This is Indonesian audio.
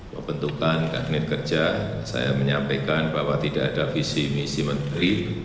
pembentukan kabinet kerja saya menyampaikan bahwa tidak ada visi misi menteri